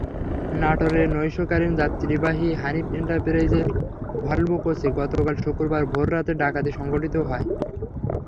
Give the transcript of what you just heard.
নাটোরে নৈশকালীন যাত্রীবাহী হানিফ এন্টারপ্রাইজের ভলভো কোচে গতকাল শুক্রবার ভোররাতে ডাকাতি সংঘটিত হয়েছে।